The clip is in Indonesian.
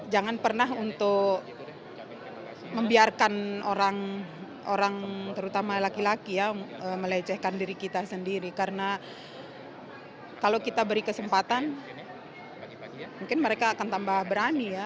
jangan pernah untuk membiarkan orang terutama laki laki ya melecehkan diri kita sendiri karena kalau kita beri kesempatan mungkin mereka akan tambah berani ya